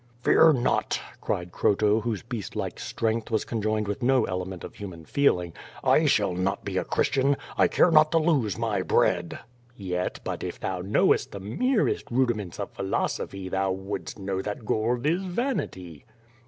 "Fear not!'' cried C'roto, whose beast like strength was con joined with no element of human feeling, "I shall not be a Christian; I care not to lose my bread!'' "Yet, but if thou knowest the merest rudiments of phil osophy thou wouldst know that gold is vanity."